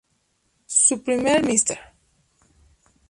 Su primer Mr.